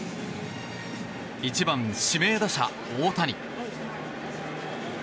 １番指名打者、大谷。